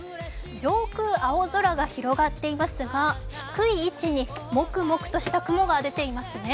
上空、青空が広がっていますが、低い位置にもくもくとした雲が出ていますね。